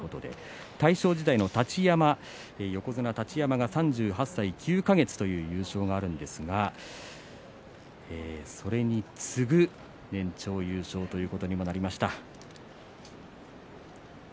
大正時代の横綱太刀山が３８歳９か月という優勝があるんですがそれに次ぐ年長優勝ということになりました。